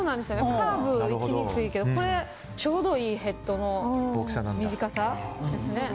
カーブ、いきにくいけどちょうどいいヘッドの短さですね。